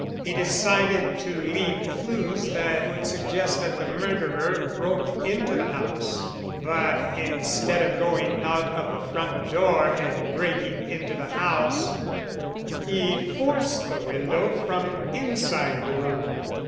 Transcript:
He decided to leave clues that would suggest that the murderer broke into the house. But, instead of going out of the front door and breaking into the house, he forced the window from inside the room.